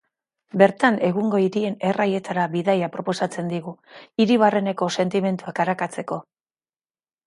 Bertan, egungo hirien erraietara bidaia proposatzen digu, hiri barreneko sentimenduak arakatzeko.